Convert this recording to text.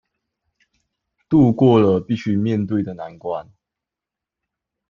渡過了必須面對的難關